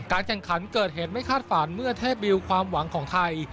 แข่งขันเกิดเหตุไม่คาดฝันเมื่อเทพบิวความหวังของไทย